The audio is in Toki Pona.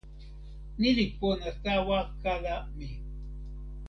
ni li pona tawa kala mi.